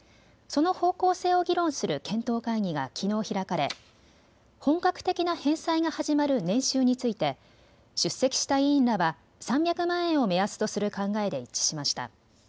その方向性を議論する検討会議がきのう開かれ、本格的な返済が始まる年収について出席した委員らは３００万円を目安とする考えで一致しました。